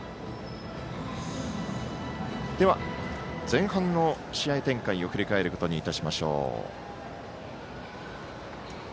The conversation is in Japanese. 前半の試合展開を振り返ることにいたしましょう。